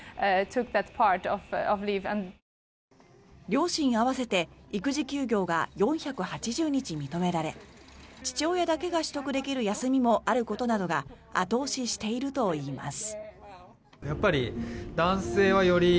両親合わせて育児休業が４８０日認められ父親だけが取得できる休みもあることなどが後押ししているといいます。